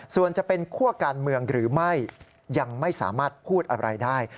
ส่วนจะเป็นคั่วการเมืองหรือไม่ยังไม่สามารถพูดอะไรได้